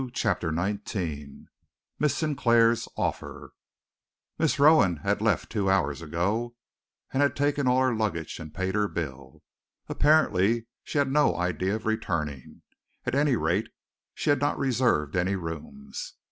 CHAPTER XIX MISS SINCLAIR'S OFFER Miss Rowan had left two hours ago, and had taken all her luggage and paid her bill. Apparently she had no idea of returning, at any rate, she had not reserved any rooms.